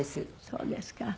そうですか。